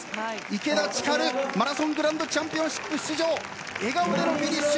池田千晴、マラソングランドチャンピオンシップ出場笑顔でのフィニッシュ。